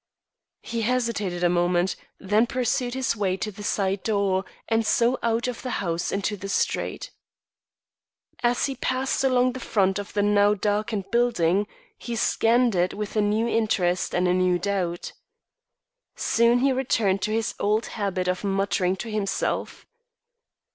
He hesitated a moment, then pursued his way to the side door, and so out of the house into the street. As he passed along the front of the now darkened building, he scanned it with a new interest and a new doubt. Soon he returned to his old habit of muttering to himself.